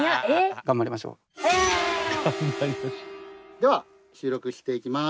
では収録していきます。